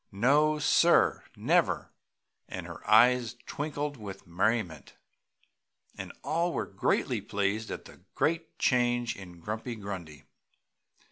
No sir! never!" and her eyes twinkled with merriment. And all were greatly pleased at the great change in Grumpy Grundy.